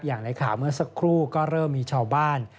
อย่างในข่าวเมื่อสักครู่ก็เริ่มมีชาวบ้าน